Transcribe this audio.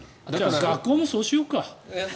学校もそうしようか。